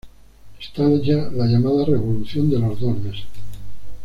Estalla la llamada Revolución de los dos meses.